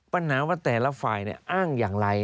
ปัญหาว่าแต่ละฝ่ายอ้างอย่างไร